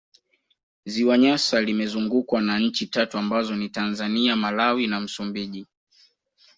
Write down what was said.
Ziwa Nyasa limezungukwa na nchi tatu ambazo ni Tanzania Malawi na MsumbIji